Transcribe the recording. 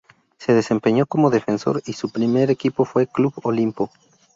Se desempeñó como defensor y su primer equipo fue Club Olimpo.